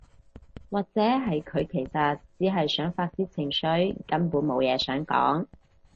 或者係佢其實只係想發洩情緒，根本無嘢想講